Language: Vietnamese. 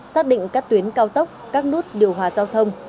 xác định các tuyến cao tốc các nút điều hòa giao thông